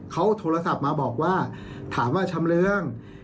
เขาโทรศัพท์มาบอกว่าถามว่าชำเรือง